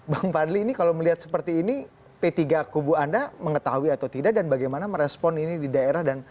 bang fadli ini kalau melihat seperti ini p tiga kubu anda mengetahui atau tidak dan bagaimana merespon ini di daerah